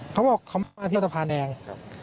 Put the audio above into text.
เขาบอกเขามาที่สะพานแดง